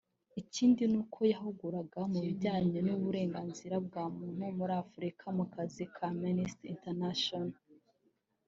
Ikindi ni uko yahuguraga mu bijyanye n’uburenganzira bwa muntu muri Afurika mu kazi ka Amnesty International